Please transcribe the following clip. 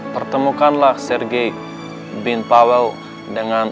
pertemukanlah sergei bin powel dengan